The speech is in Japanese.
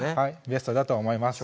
ベストだと思います